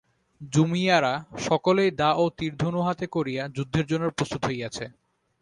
জুমিয়ারা সকলেই দা ও তীরধনু হাতে করিয়া যুদ্ধের জন্য প্রস্তুত হইয়াছে।